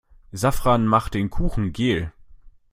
Safran macht den Kuchen gel.